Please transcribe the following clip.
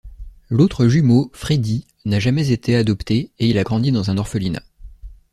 L'autre jumeau, Freddy, n'a jamais été adopté et il a grandi dans un orphelinat.